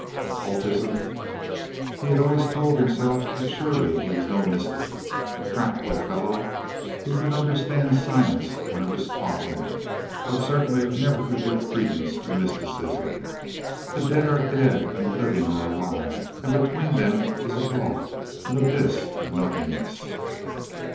Occultism? He had always told himself that surely he was no mystic. A practical fellow, who could understand science when it was taught him, but certainly never could give credence to mysticism. The dead are dead, and the living are alive; and between them is a gulf an abyss of nothingness.